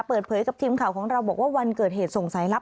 เปิดเผยกับทีมข่าวของเราบอกว่าวันเกิดเหตุส่งสายลับ